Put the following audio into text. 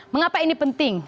mengapa ini penting